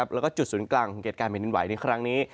แล้วก็จุดศูนย์กลางของเกิดการแผ่นดินไหวในครั้งนี้